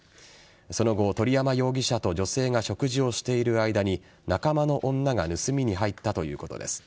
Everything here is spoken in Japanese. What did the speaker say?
その後、鳥山容疑者と女性が食事をしている間に仲間の女が盗みに入ったということです。